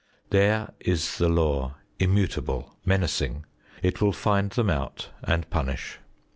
There is the Law immutable menacing; it will find them out and punish.